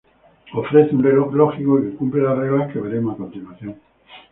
Ofrece un reloj lógico que cumple las reglas que veremos a continuación.